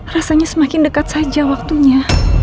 rasanya semakin dekat saja waktunya